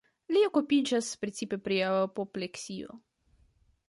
Li okupiĝas precipe pri apopleksio.